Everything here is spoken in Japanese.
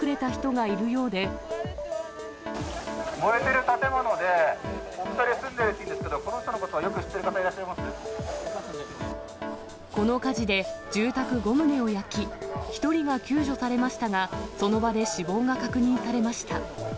燃えてる建物で、お１人住んでるらしいんですけど、この人のことをよく知ってる方いこの火事で住宅５棟を焼き、１人が救助されましたが、その場で死亡が確認されました。